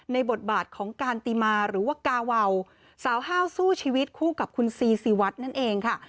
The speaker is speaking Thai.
บทบาทของการติมาหรือว่ากาวาวสาวห้าวสู้ชีวิตคู่กับคุณซีซีวัดนั่นเองค่ะ